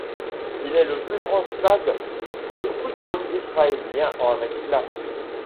Il est le plus grand stade de football israélien avec places.